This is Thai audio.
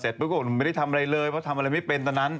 ปรากฏหนูไม่ได้ทำอะไรเลยเพราะทำอะไรไม่เป็นตอนนั้น